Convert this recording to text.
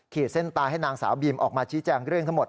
เส้นตายให้นางสาวบีมออกมาชี้แจงเรื่องทั้งหมด